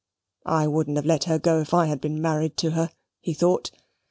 I wouldn't have let her go if I had been married to her, he thought.